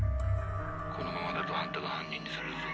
このままだとあんたが犯人にされるぞ